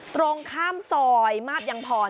ตรงข้ามซอยมาบยังพร